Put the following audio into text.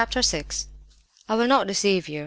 VI. "I will not deceive you.